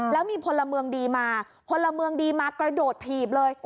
แล้วมีพลเมืองดีมาพลเมืองดีมากระโดดถีบเลย